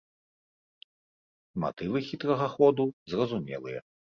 Матывы хітрага ходу зразумелыя.